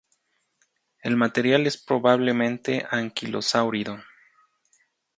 El material es probablemente anquilosáurido.